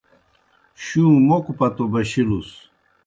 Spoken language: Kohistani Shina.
شُوں موکوْ پتو بشِلُس۔